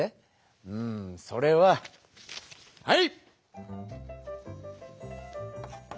うんそれははい！